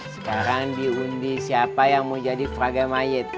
sekarang diundi siapa yang mau jadi frage mayit